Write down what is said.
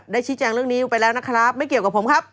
ชี้แจงเรื่องนี้ไปแล้วนะครับไม่เกี่ยวกับผมครับ